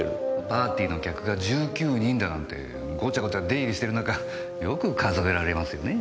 パーティーの客が１９人だなんてごちゃごちゃ出入りしてる中よく数えられますよね？